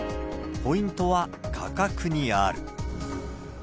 ポイントは価格にある。